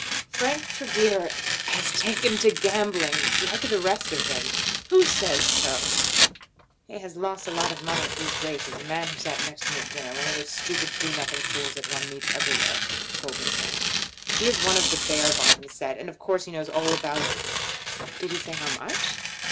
Frank Tregear has taken to gambling, like the rest of them." "Who says so?" "He has lost a lot of money at these races. A man who sat next me at dinner, one of those stupid do nothing fools that one meets everywhere, told me so. He is one of the Beargarden set, and of course he knows all about it." "Did he say how much?"